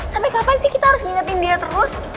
sampai kapan sih kita harus ngingetin dia terus